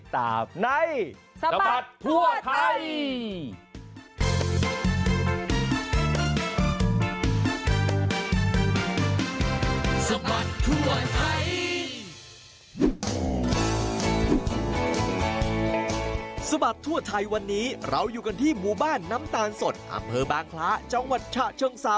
ติดตามใน